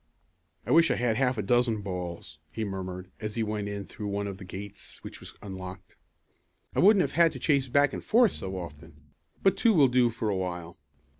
"I wish I had half a dozen balls," he murmured as he went in through one of the gates which was unlocked. "I wouldn't have to chase back and forth so often. But two will do for a while."